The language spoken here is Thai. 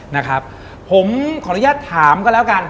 นะครับผมขออนุญาตถามก็แล้วกัน